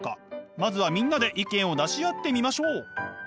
まずはみんなで意見を出し合ってみましょう！